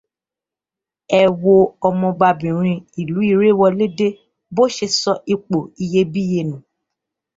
Ẹ wo ọmọbabìnrin ìlú Iréwọlédé bó ṣe sọ ipò iyebíye nù